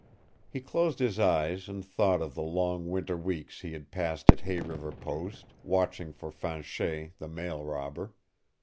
He closed his eyes and thought of the long winter weeks he had passed at Hay River Post, watching for Fanchet, the mail robber.